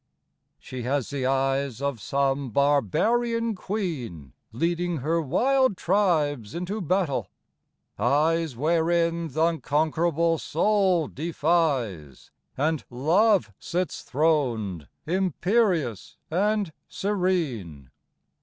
She has the eyes of some barbarian Queen Leading her wild tribes into battle; eyes, Wherein th' unconquerable soul defies, And Love sits throned, imperious and serene.